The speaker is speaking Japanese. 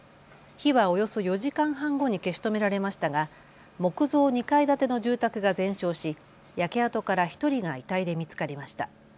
火はおよそ４時間半後に消し止められましたが木造２階建ての住宅が全焼し焼け跡から１人が遺体で見つかりました。